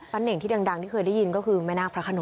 เน่งที่ดังที่เคยได้ยินก็คือแม่นาคพระขนง